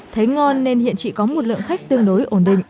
thấy ngon nên hiện chỉ có một lượng khách tương đối ổn định